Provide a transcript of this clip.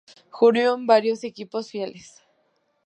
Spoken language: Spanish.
Jugó en varios equipos filiales.